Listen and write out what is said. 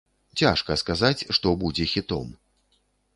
Цяжка сказаць, што будзе хітом.